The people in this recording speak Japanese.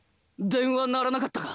電話鳴らなかったか？」